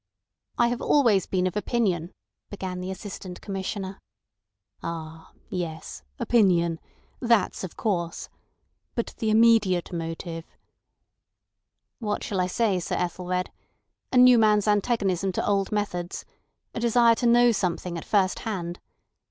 "I have been always of opinion," began the Assistant Commissioner. "Ah. Yes! Opinion. That's of course. But the immediate motive?" "What shall I say, Sir Ethelred? A new man's antagonism to old methods. A desire to know something at first hand.